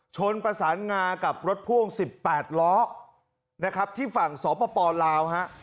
ชนประสานงากับรถพ่วง๑๘ล้อที่ฝั่งสอปปลาว